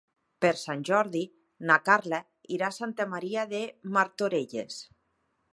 Per Sant Jordi na Carla irà a Santa Maria de Martorelles.